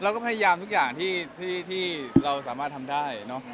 เราก็พยายามทุกอย่างที่เราสามารถทำได้เนอะ